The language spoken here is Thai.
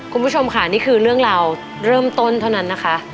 คุณผู้ชมค่ะนี่คือเรื่องราวเริ่มต้นเท่านั้นนะคะ